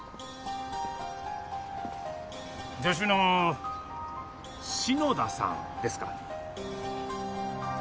助手の篠田さんですか？